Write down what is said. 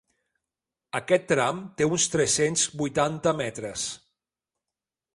Aquest tram té uns tres-cents vuitanta metres.